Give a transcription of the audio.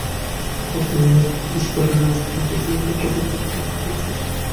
অতএব বিষপ্রদায়িনী রাজকন্যার প্রতি এরূপ প্রতিকূলতাচরণে মন্ত্রিপুত্রকে দোষী বলিতে পারা যায় না।